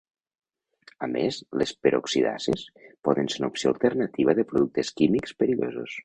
A més les peroxidases poden ser una opció alternativa de productes químics perillosos.